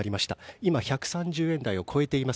今、１３０円台を超えています。